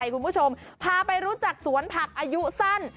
คุณผู้ชมพาไปรู้จักสวนผักอายุสั้น